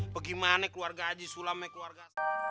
bagaimana keluarga haji sula maik keluarga